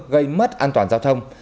gây mất an toàn giao thông